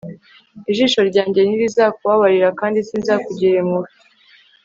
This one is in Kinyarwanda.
Ijisho ryanjye ntirizakubabarira kandi sinzakugirira impuhwe